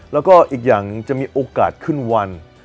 แล้วก็อีกอย่างจะมีโอกาสขึ้นวัน